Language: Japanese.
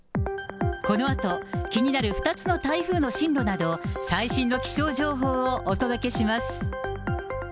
このあと、気になる２つの台風の進路など、最新の気象情報をお届けします。